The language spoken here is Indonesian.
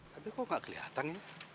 tapi kok gak kelihatan ya